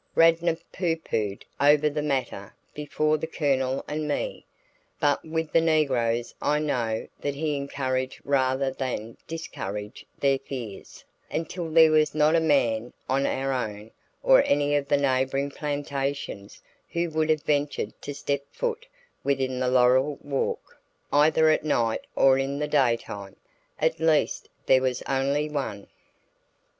Radnor pooh poohed over the matter before the Colonel and me, but with the negroes I know that he encouraged rather than discouraged their fears, until there was not a man on our own or any of the neighboring plantations who would have ventured to step foot within the laurel walk, either at night or in the daytime at least there was only one.